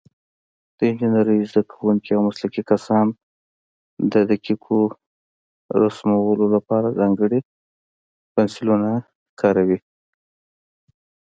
د انجینرۍ زده کوونکي او مسلکي کسان د دقیقو رسمونو لپاره ځانګړي پنسلونه کاروي.